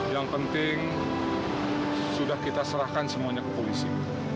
yang penting sudah kita serahkan semuanya ke polisi